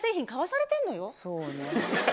そうね。